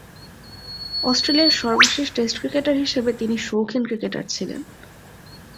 অস্ট্রেলিয়ার সর্বশেষ test cricketer হিসেবে তিনি শৌখিন ক্রিকেটার ছিলেন।